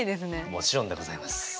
もちろんでございます。